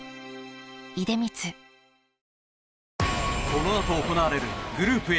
このあと行われるグループＡ